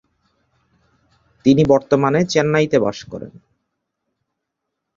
তিনি বর্তমানে চেন্নাইতে বাস করেন।